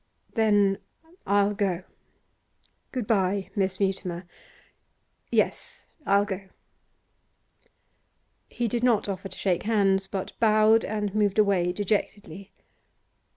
'Then I'll go. Good bye, Miss Mutimer. Yes, I'll go.' He did not offer to shake hands, but bowed and moved away dejectedly.